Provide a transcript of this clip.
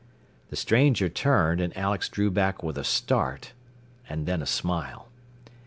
The stranger turned, and Alex drew back with a start, and then a smile.